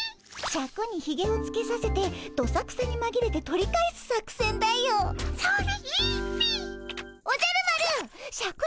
シャクにひげをつけさせてどさくさにまぎれて取り返す作戦であろう。